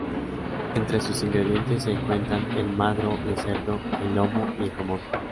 Entre sus ingredientes se cuentan el magro de cerdo, el lomo y el jamón.